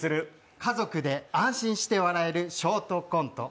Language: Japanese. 家族で安心して笑えるショートコント。